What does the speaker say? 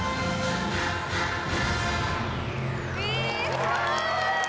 すごーい！